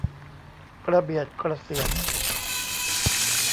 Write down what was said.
กระเบียดกระเสียร